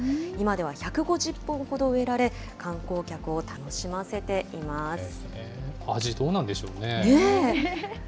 今では１５０本ほど植えられ、観光客を楽しませています。